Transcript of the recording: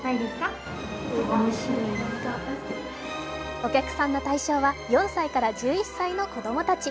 お客さんの対象は４歳から１１歳の子供たち。